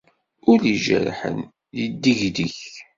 Ul ijerḥen, yeddegdeg.